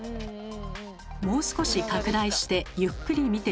もう少し拡大してゆっくり見てみましょう。